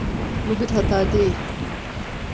Bu bir hata değil.